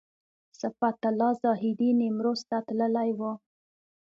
صفت الله زاهدي نیمروز ته تللی و.